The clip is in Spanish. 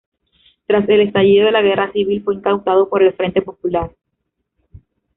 Tras el estallido de la Guerra civil fue incautado por el Frente Popular.